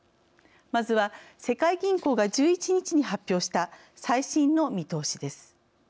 まずは世界銀行が１１日に発表した最新の見通しです。